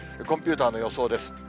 コンピューターの予想です。